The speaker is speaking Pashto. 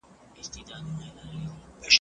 سالم بدن د سالم ذهن لامل دی.